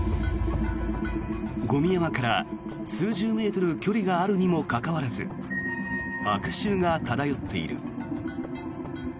ゴミ山から数十ｍ距離があるにもかかわらず悪臭が漂っている。